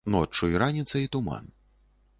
Ноччу і раніцай туман.